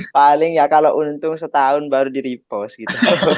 paling ya kalau untung setahun baru di repost gitu